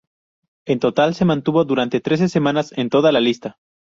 En total se mantuvo durante trece semanas en toda la lista.